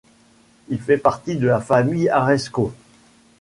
Il fait partie de la famille Arreskow.